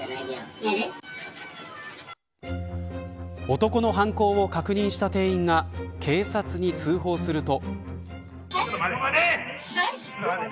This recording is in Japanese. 男の犯行を確認した店員が警察に通報すると。